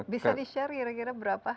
bisa dishare kira kira berapa